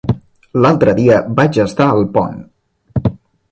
L'altre dia vaig estar a Alpont.